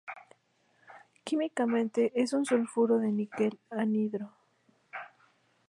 Químicamente es un sulfuro de níquel anhidro.